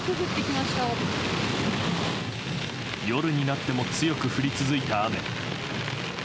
夜になっても強く降り続いた雨。